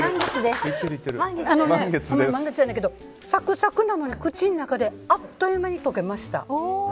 サクサクなのに口の中であっという間に溶けました。